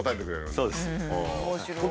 そうです。